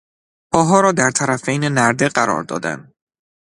پاها را در طرفین نرده قرار دادن